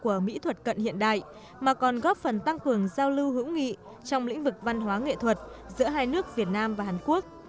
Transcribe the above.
các tác phẩm nghệ thuật cận hiện đại mà còn góp phần tăng cường giao lưu hữu nghị trong lĩnh vực văn hóa nghệ thuật giữa hai nước việt nam và hàn quốc